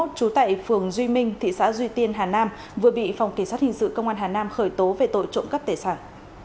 trú tại phường duy minh thị xã duy tiên hà nam vừa bị phòng kỳ sát hình sự công an hà nam khởi tố về tội trộm cắp tài sản